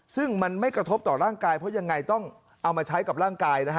ซึ่งมันไม่กระทบต่อร่างกายเพราะยังไงต้องเอามาใช้กับร่างกายนะฮะ